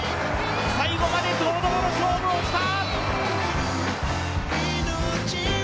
最後まで堂々の勝負をした。